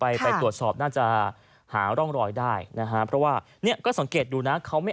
ไปไปตรวจสอบน่าจะหาร่องรอยได้นะฮะเพราะว่าเนี่ยก็สังเกตดูนะเขาไม่